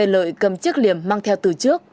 lợi cầm chiếc liềm mang theo từ trước